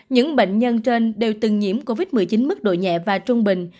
những bệnh nhân trên đều từng nhiễm covid một mươi chín mức độ nhẹ và trung bình